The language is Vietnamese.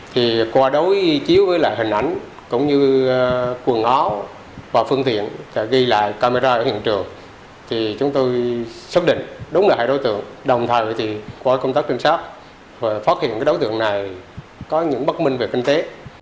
khi chiếu với lại hình ảnh cũng như quần áo và phương thiện và ghi lại camera ở hiện trường thì chúng tôi xác định đúng là hai đối tượng đồng thời thì có công tác kiểm soát và phát hiện đối tượng này có những bất minh về kinh tế